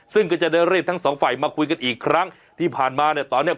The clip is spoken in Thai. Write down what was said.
ซึ่งก็จะได้เรียกทั้งสองฝ่ายมาคุยกันอีกครั้งที่ผ่านมาเนี่ยตอนเนี้ย